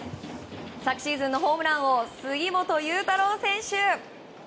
昨シーズンのホームラン王杉本裕太郎選手。